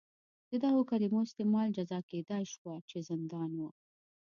د دغو کلیمو استعمال جزا کېدای شوه چې زندان و.